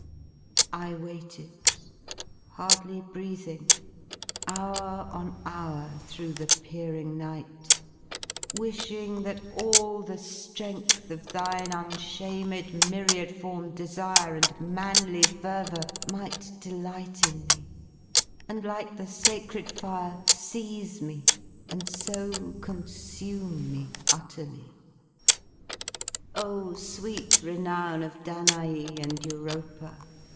I waited: hardly breathmg^ hour on hour Through the peering nighty wishing that all the strength Of thine unshamld myriad formed desire Jnd manly fervour y might delight in me, And like the sacred fir e, seize me and so Consume me utterly. Ohy sweet renown Of Danes and Europa!